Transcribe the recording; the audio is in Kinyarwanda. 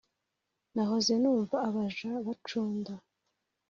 nahoze numva abaja bacunda,